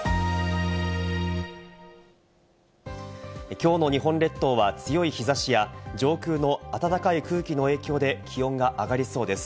今日の日本列島は強い日差しや、上空の暖かい空気の影響で気温が上がりそうです。